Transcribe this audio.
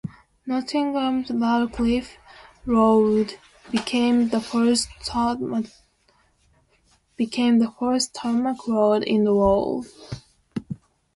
Nottingham's Radcliffe Road became the first tarmac road in the world.